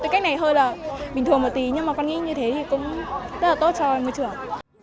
cách này hơi là bình thường một tí nhưng mà con nghĩ như thế thì cũng rất là tốt cho môi trường